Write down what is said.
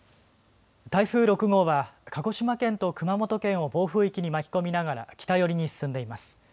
台風６号は鹿児島県と熊本県を暴風域に巻き込みながら北寄りに進んでいます。